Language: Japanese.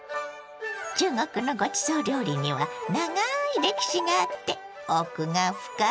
中国のごちそう料理にはながい歴史があって奥が深いわね。